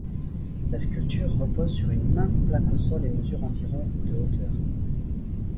La sculpture repose sur une mince plaque au sol et mesure environ de hauteur.